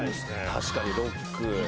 確かに「ロック」。